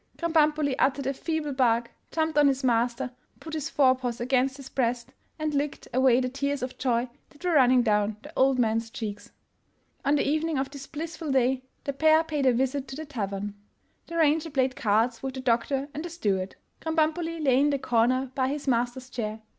Krambambuli uttered a feeble bark, jumped on his master, put his fore paws against his breast, and licked away the tears of joy that were running down the old man's cheeks. On the evening of this blissful day, the pair paid a visit KEAMB AMBULI 421 to the tavern. The ranger played cards with the doctor and the steward; Krambambuli lay in the corner by his master's chair.